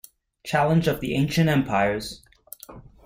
Challenge of the Ancient Empires!